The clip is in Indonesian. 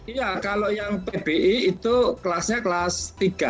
iya kalau yang pbi itu kelasnya kelas tiga